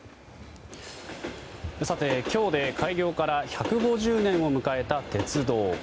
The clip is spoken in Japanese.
今日で開業から１５０年を迎えた鉄道。